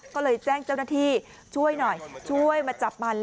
ก็เลยแจ้งเจ้าหน้าที่ช่วยหน่อยช่วยมาจับมัน